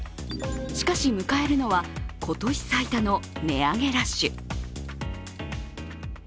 しかし、迎えるのは今年最多の値上げラッシュ。